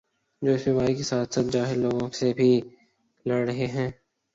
جو اس بیماری کے ساتھ ساتھ جاہل لوگوں سے بھی لڑ رہے ہیں